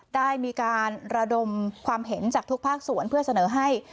ได้มีการระดมความเห็นจากทุกภาคส่วนเพื่อเสนอให้